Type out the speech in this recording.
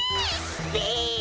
べ！